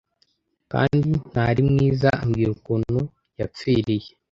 kandi ntari mwiza ambwira ukuntu yapfiriye